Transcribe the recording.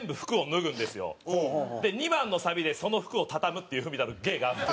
で２番のサビでその服を畳むっていう文田の芸があって。